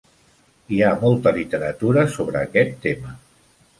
Hi ha molta literatura sobre aquest tema.